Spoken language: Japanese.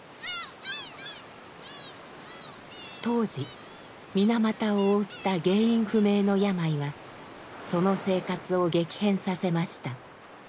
当時水俣を覆った原因不明の病はその生活を激変させました。